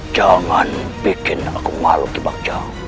jangan bikin aku malu di bagja